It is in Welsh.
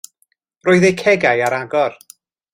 Roedd eu cegau ar agor.